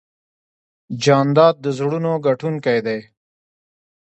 جانداد د زړونو ګټونکی دی.